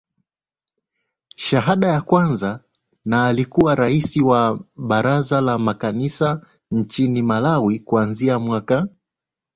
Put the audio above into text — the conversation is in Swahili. shahada ya kwanza na alikuwa rais wa baraza la makanisa nchini Malawi kuanzia mwaka